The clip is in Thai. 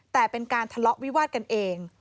แต่เป็นการทะเลาะวิวาดกันเอง